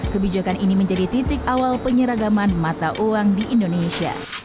kebijakan ini menjadi titik awal penyeragaman mata uang di indonesia